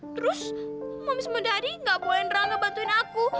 terus mami smedadi gak boleh rangga bantuin aku